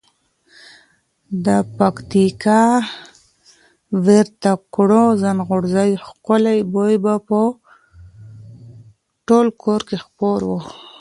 د پکتیا ورېته کړو زڼغوزیو ښکلی بوی به په ټول کور کې خپور وو.